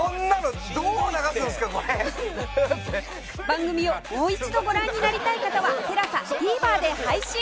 番組をもう一度ご覧になりたい方は ＴＥＬＡＳＡＴＶｅｒ で配信